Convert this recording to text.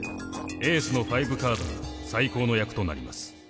エースの５カードが最高の役となります。